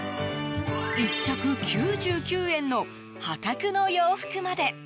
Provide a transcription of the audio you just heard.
１着９９円の破格の洋服まで。